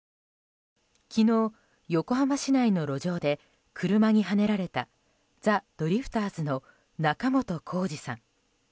昨日、横浜市内の路上で車にはねられたザ・ドリフターズの仲本工事さん。